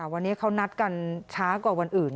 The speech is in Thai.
วันนี้เขานัดกันช้ากว่าวันอื่น